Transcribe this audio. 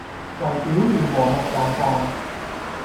為表面和睦狀況